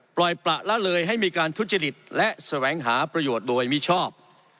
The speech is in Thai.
ปล่อยประละเลยให้มีการทุจริตและแสวงหาประโยชน์โดยมิชอบ